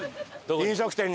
飲食店に。